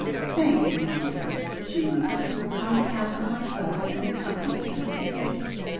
"Thank you, my dear," she murmured; "on behalf of myself and the company, as they say.